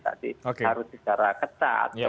harus secara ketat